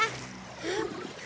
えっ？